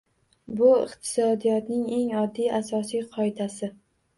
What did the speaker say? Bu iqtisodiyotning eng oddiy, asosiy qoidasi